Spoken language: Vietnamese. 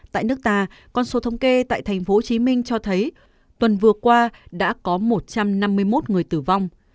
tại nước ta con số thống kê tại tp hcm cho thấy tuần vừa qua đã có một trăm năm mươi một người tử vong